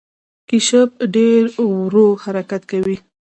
کیشپ ډیر ورو حرکت کوي